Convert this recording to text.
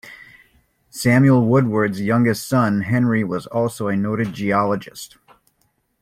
Samuel Woodward's youngest son, Henry was also a noted geologist.